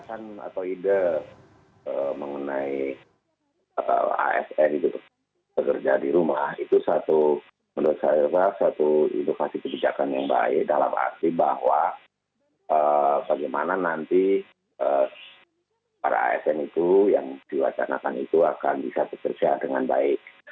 jadikan atau ide mengenai asn itu bekerja di rumah itu satu menurut saya pak satu ilokasi kebijakan yang baik dalam arti bahwa bagaimana nanti para asn itu yang diwacanakan itu akan bisa bekerja dengan baik